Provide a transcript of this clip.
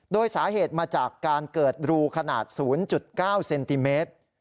โดยสาเหตุมาจากการเกิดรูขนาด๐๙เซนติเมตร